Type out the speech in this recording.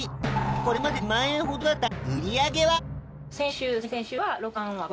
これまでは２万円ほどだった売り上げは？